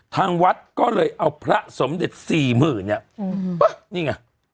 ทางวัดก็เลยเอาพระสมเด็จสี่หมื่นเนี่ยนี่ไง